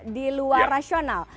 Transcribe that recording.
di luar rasional